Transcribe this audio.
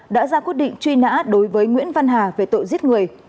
đã ra quyết định truy nã đối với nguyễn văn hà về tội giết người